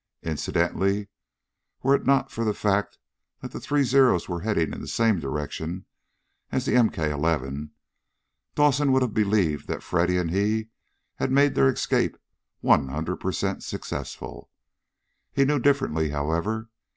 Incidentally, were it not for the fact that the three Zeros were heading in the same direction as the MK 11, Dawson would have believed that Freddy and he had made their escape one hundred per cent successful. He knew differently, however.